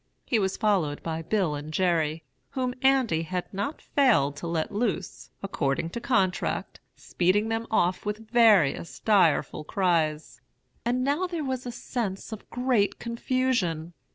He was followed by Bill and Jerry, whom Andy had not failed to let loose, according to contract, speeding them off with various direful cries. And now there was a scene of great confusion.